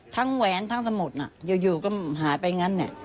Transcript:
แหวนทั้งสมุดน่ะอยู่ก็หายไปงั้นเนี่ย